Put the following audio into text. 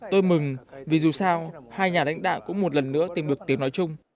tôi mừng vì dù sao hai nhà lãnh đạo cũng một lần nữa tìm được cơ hội